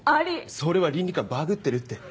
それは倫理観バグってるって。